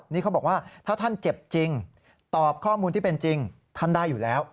นี่เขาบอกว่าถ้าท่านเจ็บจริงตอบข้อมูลที่เป็นจริงท่านได้อยู่แล้ว